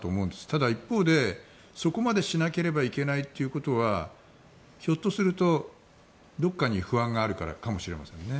ただ、一方でそこまでしなければいけないということはひょっとするとどこかに不安があるからかもしれませんね。